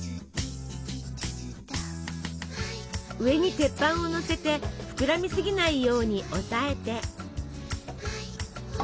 上に鉄板をのせて膨らみすぎないように押さえて。